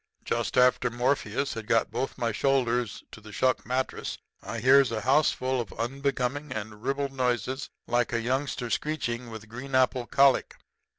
"Just after Morpheus had got both my shoulders to the shuck mattress I hears a houseful of unbecoming and ribald noises like a youngster screeching with green apple colic.